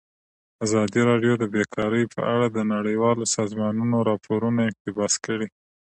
ازادي راډیو د بیکاري په اړه د نړیوالو سازمانونو راپورونه اقتباس کړي.